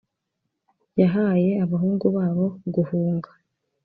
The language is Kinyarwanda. Yahaye abahungu babo guhunga